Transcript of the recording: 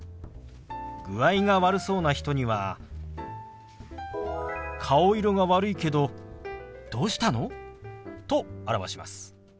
具合が悪そうな人には「顔色が悪いけどどうしたの？」と表します。